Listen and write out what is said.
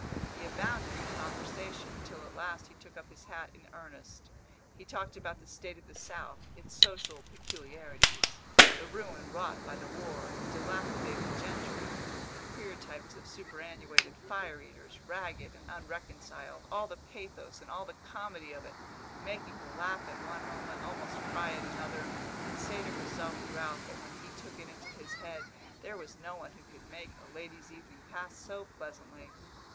He abounded in conversation, till at last he took up his hat in earnest; he talked about the state of the South, its social peculiarities, the ruin wrought by the war, the dilapidated gentry, the queer types of superannuated fire eaters, ragged and unreconciled, all the pathos and all the comedy of it, making her laugh at one moment, almost cry at another, and say to herself throughout that when he took it into his head there was no one who could make a lady's evening pass so pleasantly.